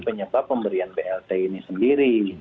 penyebab pemberian blt ini sendiri